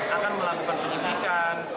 akan melakukan penyelidikan